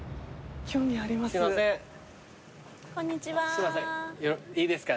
すいませんいいですか？